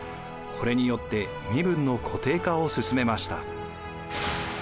これによって身分の固定化を進めました。